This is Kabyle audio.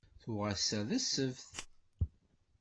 Ttuɣ ass-a d ssebt.